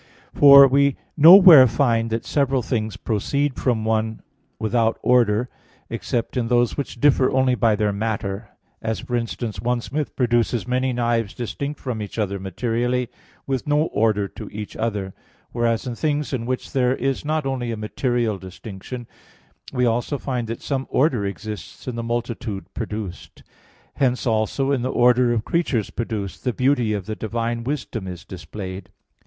For we nowhere find that several things proceed from one without order except in those which differ only by their matter; as for instance one smith produces many knives distinct from each other materially, with no order to each other; whereas in things in which there is not only a material distinction we always find that some order exists in the multitude produced. Hence also in the order of creatures produced, the beauty of the divine wisdom is displayed.